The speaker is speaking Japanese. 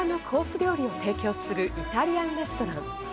料理を提供するイタリアンレストラン。